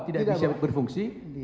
tidak bisa berfungsi